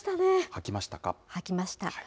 履きました。